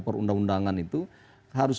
perundang undangan itu harus